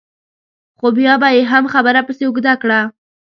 خو بیا به یې هم خبره پسې اوږده کړه.